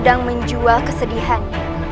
dan menjual kesedihannya